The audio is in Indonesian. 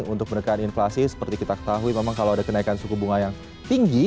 untuk menekan inflasi seperti kita ketahui memang kalau ada kenaikan suku bunga yang tinggi